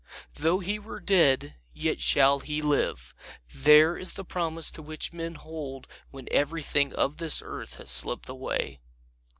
"Tho he were dead, yet shall he live"ŌĆöthere is the promise to which men hold when everything of this earth has slipt away.